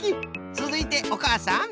つづいておかあさん。